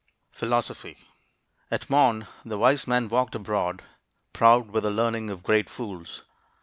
PHILOSOPHY. At morn the wise man walked abroad, Proud with the learning of great fools.